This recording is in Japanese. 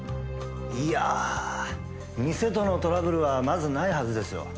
いや店とのトラブルはまずないはずですよ。